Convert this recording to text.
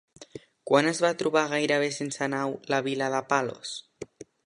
Quan es va trobar gairebé sense naus la vila de Palos?